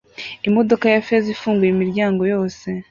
Imodoka ya feza ifunguye imiryango yose